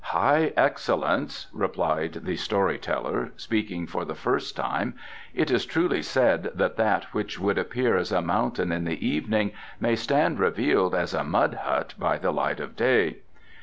"High Excellence," replied the story teller, speaking for the first time, "it is truly said that that which would appear as a mountain in the evening may stand revealed as a mud hut by the light of day.